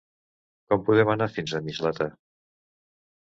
Com podem anar fins a Mislata?